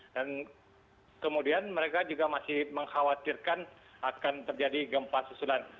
dan kemudian mereka juga masih mengkhawatirkan akan terjadi gempa susulan